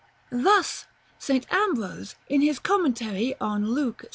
§ LII. Thus St. Ambrose, in his commentary on Luke vi.